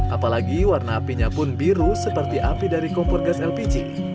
apalagi warna apinya pun biru seperti api dari kompor gas lpg